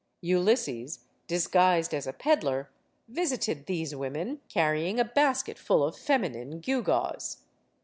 Ulysses, dis guised as a peddler, visited these women, carrying a basket full of feminine gewgaws.